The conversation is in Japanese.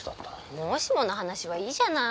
もしもの話はいいじゃない。